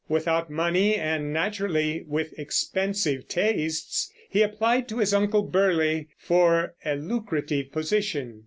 Without money, and naturally with expensive tastes, he applied to his Uncle Burleigh for a lucrative position.